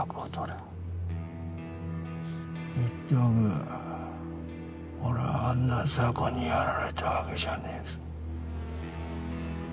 言っておくが俺はあんな雑魚にやられたわけじゃねえぞ。